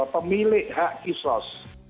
pemilik hak kisos